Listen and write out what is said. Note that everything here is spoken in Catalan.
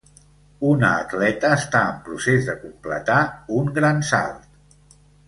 Una atleta està en procés de completar un gran salt.